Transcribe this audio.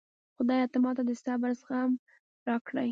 خدایه ته ماته د زړه صبر او زغم راکړي